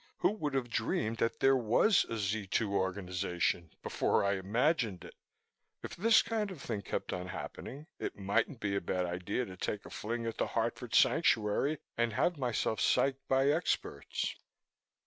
Who would have dreamed that there was a Z 2 organization before I imagined it! If this kind of thing kept on happening it mightn't be a bad idea to take a fling at the Hartford Sanctuary and have myself psyched by experts.